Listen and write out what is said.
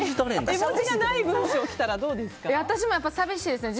絵文字がない文章来たらどうですか？